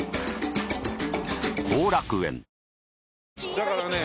だからね